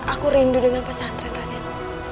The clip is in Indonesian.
aku rindu dengan pesantren raden